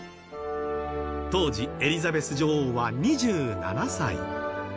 当時、エリザベス女王は２７歳。